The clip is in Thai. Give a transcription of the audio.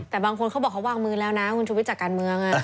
แต่บางคนเขาบอกว่าวางมือแล้วนะวิจักรเมือง